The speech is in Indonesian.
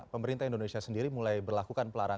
pemerintah indonesia sendiri mulai berlakukan pelarangan